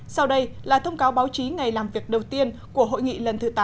sau đây là thông cáo báo chí ngày làm việc đầu tiên của hội nghị lần thứ tám